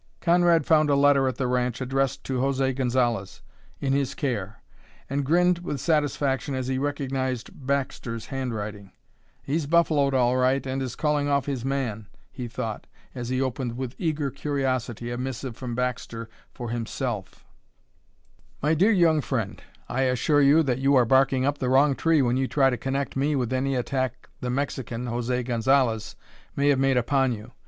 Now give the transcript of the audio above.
Conrad found a letter at the ranch addressed to José Gonzalez, in his care, and grinned with satisfaction as he recognized Baxter's handwriting. "He's buffaloed all right and is calling off his man," he thought as he opened with eager curiosity a missive from Baxter for himself: "MY DEAR YOUNG FRIEND: I assure you that you are barking up the wrong tree when you try to connect me with any attack the Mexican, José Gonzalez, may have made upon you.